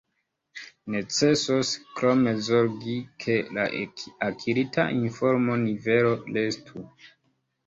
Necesos krome zorgi, ke la akirita informo-nivelo restu.